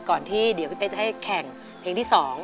ก่อนที่เดี๋ยวพี่เป๊กจะให้แข่งเพลงที่๒